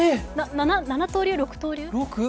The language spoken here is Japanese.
七刀流、六刀流六？